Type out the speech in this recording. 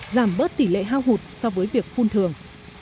giảm bớt tỷ lệ hao hụt so với việc phun thường